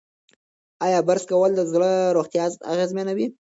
ایا برس کول د زړه روغتیا اغېزمنوي؟